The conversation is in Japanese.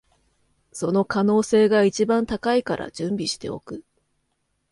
その可能性が一番高いから準備しておく